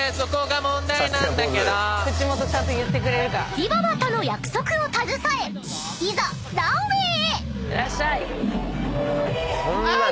［でぃばばとの約束を携えいざランウェイへ！］